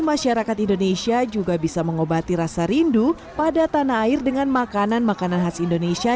masyarakat indonesia juga bisa mengobati rasa rindu pada tanah air dengan makanan makanan khas indonesia